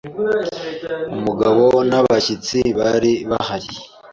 umugabo n’abashyitsi. bari bahari